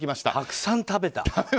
たくさん食べた。